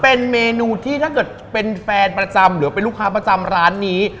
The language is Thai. เป็นเมนูที่ถ้าเกิดเป็นแฟนประจำหรือเป็นลูกค้าประจำร้านนี้